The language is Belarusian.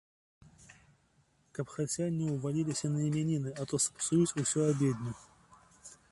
Каб хаця не ўваліліся на імяніны, а то сапсуюць усю абедню.